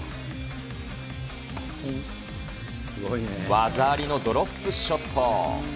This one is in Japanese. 技ありのドロップショット。